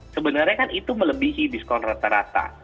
sebenarnya kan itu melebihi diskon rata rata